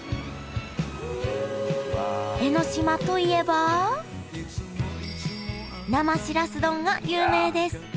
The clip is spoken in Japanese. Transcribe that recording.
江の島といえば生しらす丼が有名です